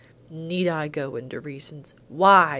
"Need I go into reasons?" "Why?